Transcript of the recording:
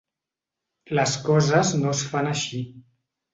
Les coses no es fan així.